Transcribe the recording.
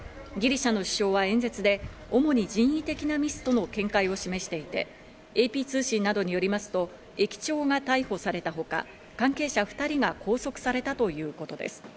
ギリシャの首相は演説で、主に人為的なミスとの見解を示していて、ＡＰ通信などによりますと、駅長が逮捕されたほか、関係者２人が拘束されたということです。